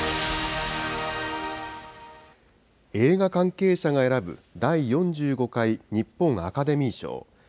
映画関係者が選ぶ第４５回日本アカデミー賞。